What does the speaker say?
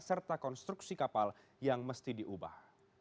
serta konstruksi kapal yang mesti diubah